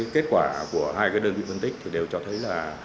kết quả của hai đơn vị phân tích thì đều cho thấy là